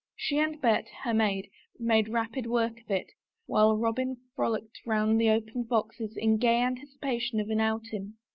She and Bet, her maid, made rapid work of it, while Robin frolicked round the opened boxes in gay anticipation of an outing.